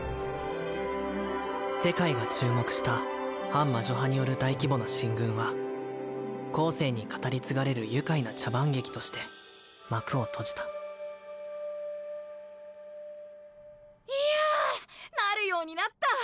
世界が注目した反魔女派による大規模な進軍は後世に語り継がれる愉快な茶番劇として幕を閉じたいやなるようになった！